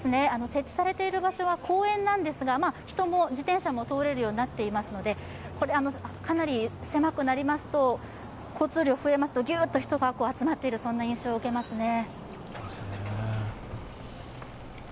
設置されている場所が公園なんですが、人も自転車も通れるようになっていますのでこれ、かなり狭くなりますと、交通量増えますとギューッと人が集まっている印象を受けますね。